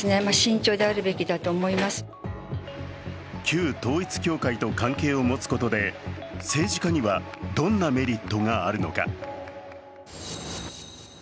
旧統一教会と関係を持つことで政治家にはどんなメリットがあるのか。